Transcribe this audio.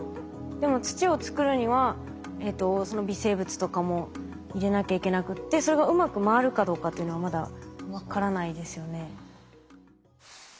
でも土を作るにはその微生物とかも入れなきゃいけなくってそれがうまく回るかどうかっていうのはまだ分からないですよね。